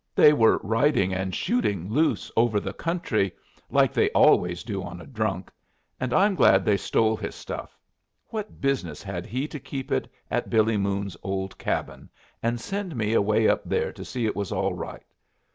They were riding and shooting loose over the country like they always do on a drunk. And I'm glad they stole his stuff. What business had he to keep it at Billy Moon's old cabin and send me away up there to see it was all right?